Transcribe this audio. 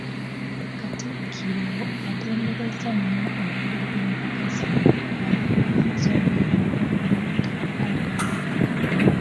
Katikkiro atenderezza nnyo obukulu bw'empaka zino kubanga zongera okugatta abantu